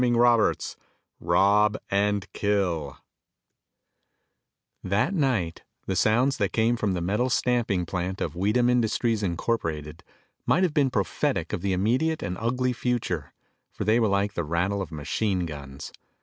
_] CHAPTER I Rob And Kill That night, the sounds that came from the metal stamping plant of Weedham Industries, Incorporated, might have been prophetic of the immediate and ugly future, for they were like the rattle of machine guns.